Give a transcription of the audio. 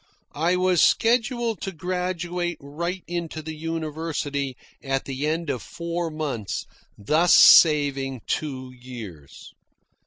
I was scheduled to graduate right into the university at the end of four months, thus saving two years.